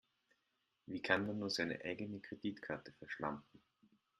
Wie kann man nur seine eigene Kreditkarte verschlampen?